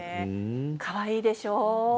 かわいいでしょ？